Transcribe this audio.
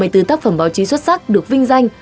hai mươi bốn tác phẩm báo chí xuất sắc được vinh danh